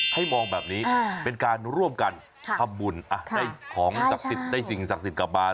ให้มองแบบนี้เป็นการร่วมกันทำบุญได้ของศักดิ์สิทธิ์ได้สิ่งศักดิ์สิทธิ์กลับมา